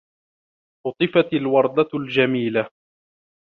قَطَفْتُ الْوردةَ الْجَمِيلَةَ.